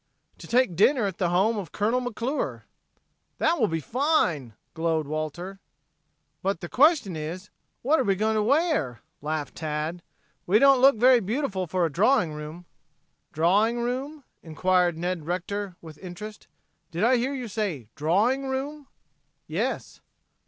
"To take dinner at the home of Colonel McClure." "That will be fine," glowed Walter. "But the question is, what are we going to wear?" laughed Tad. "We don't look very beautiful for a drawing room." "Drawing room?" inquired Ned Rector, with interest. "Did I hear you say drawing room?" "Yes."